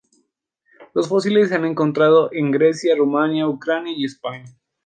Los fósiles se han encontrado en Grecia, Rumania, Ucrania y España.